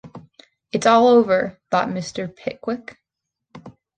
‘It’s all over!’ thought Mr. Pickwick.